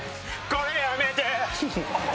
これやめて！